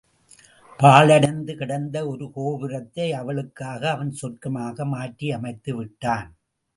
பாழடைந்து கிடந்த ஒரு கோபுரத்தை அவளுக்காக அவன் சொர்க்கமாக மாற்றியமைத்து விட்டான்.